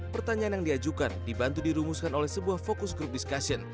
pertanyaan yang diajukan dibantu dirumuskan oleh sebuah fokus grup diskusi